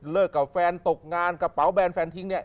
กับแฟนตกงานกระเป๋าแบนแฟนทิ้งเนี่ย